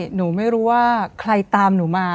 หนูไม่รู้ว่าใครตามหนูมา